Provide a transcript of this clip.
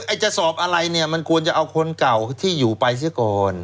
จะสอบอะไรเนี่ยมันควรจะเอาคนเก่าที่อยู่ไปเสียก่อน